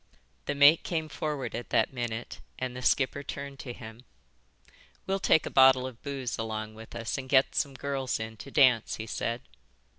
The mate came forward at that minute and the skipper turned to him. "We'll take a bottle of booze along with us and get some girls in to dance," he said.